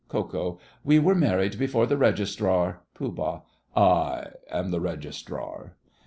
KO. We were married before the Registrar. POOH. I am the Registrar.